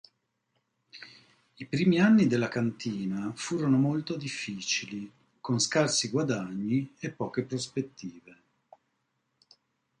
I primi anni della cantina furono molto difficili, con scarsi guadagni e poche prospettive.